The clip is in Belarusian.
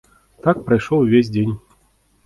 Так прайшоў увесь дзень.